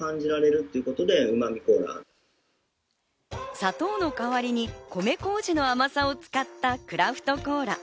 砂糖の代わりに米麹の甘さを使ったクラフトコーラ。